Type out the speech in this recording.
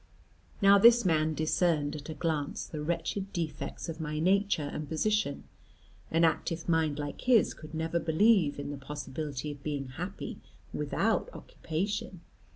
Now this man discerned at a glance the wretched defects of my nature and position. An active mind like his could never believe in the possibility of being happy without occupation.